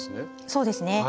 そうですね。